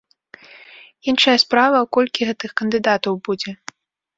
Іншая справа, колькі гэтых кандыдатаў будзе.